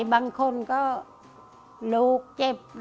บางคนก็ลุกเจ็บรักษาก็ไม่ไห้